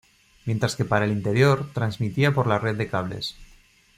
Mientras que para el interior transmitía por la Red de Cables.